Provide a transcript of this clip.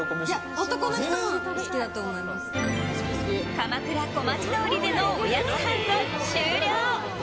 鎌倉小町通りでのおやつハント終了。